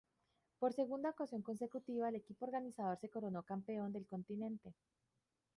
Por segunda ocasión consecutiva, el equipo organizador, se coronó campeón del continente.